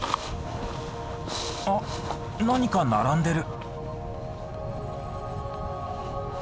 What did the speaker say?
あっ何か並んでる。